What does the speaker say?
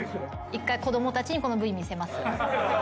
１回子供たちにこのＶ見せます。